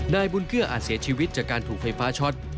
นายบุญเกื้ออาจเสียชีวิตจากการถูกไฟฟ้าช็อต